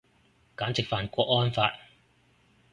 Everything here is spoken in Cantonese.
簡直犯郭安發